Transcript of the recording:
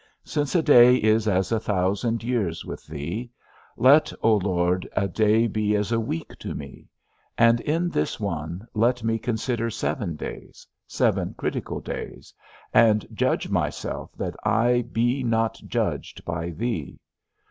Since a day is as a thousand years with thee, let, O Lord, a day be as a week to me; and in this one, let me consider seven days, seven critical days, and judge myself that I be not judged by thee.